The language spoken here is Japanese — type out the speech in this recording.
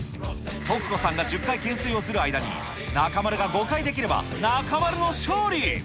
とく子さんが１０回懸垂をする間に、中丸が５回できれば、中丸の勝利。